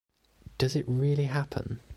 Does It Really Happen?